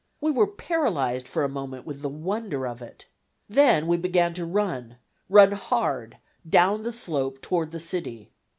We were paralyzed for a moment with the wonder of it. Then we began to run, run hard, down the slope toward the city.